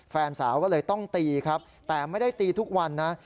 แฟนสาวก็เลยต้องตีครับแต่ไม่ได้ตีทุกวันนะ